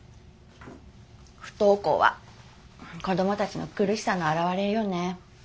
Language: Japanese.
不登校は子供たちの苦しさの表れよね。